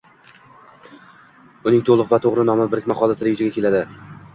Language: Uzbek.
Uning toʻliq va toʻgʻri nomi birikma holatida yuzaga keladi